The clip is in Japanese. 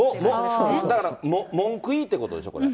だから文句いいってことでしょ、これ。